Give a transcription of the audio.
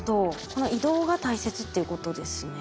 この移動が大切っていうことですね。